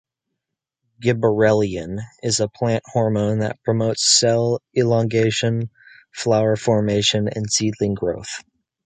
Gibberellin is a plant hormone that promotes cell elongation, flower formation, and seedling growth.